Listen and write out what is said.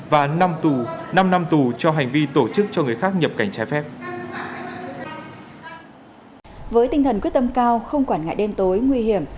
và năm năm thủ cho hành vi tổ chức cho người khác nhập cảnh trái phép